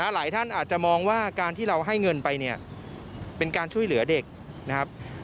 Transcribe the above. หลายท่านอาจจะมองว่าการที่เราให้เงินไปเนี่ยเป็นการช่วยเหลือเด็กนะครับ